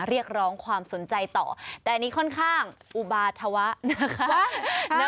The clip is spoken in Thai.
เรียกร้องความสนใจต่อแต่อันนี้ค่อนข้างอุบาธวะนะคะ